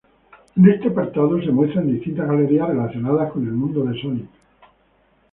En este apartado, se muestran distintas galerías relacionadas con el mundo de Sonic.